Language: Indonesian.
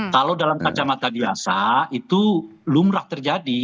kalau dalam kacamata biasa itu lumrah terjadi